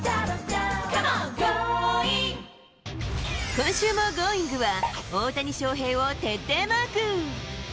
今週もＧｏｉｎｇは、大谷翔平を徹底マーク。